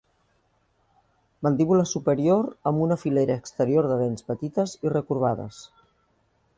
Mandíbula superior amb una filera exterior de dents petites i recorbades.